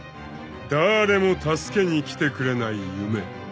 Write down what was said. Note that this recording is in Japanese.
［だれも助けに来てくれない夢］